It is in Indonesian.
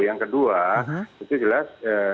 yang kedua itu jelas